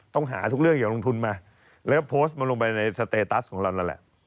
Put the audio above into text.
ต้องหาทุกเรื่องอย่าลงทุนมาแล้วก็โพสต์มันลงไปในสเตตัสของเรานั่นแหละ